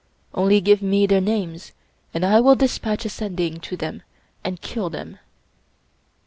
" Only give me their names, and I will dispatch a Sending to them and kill them."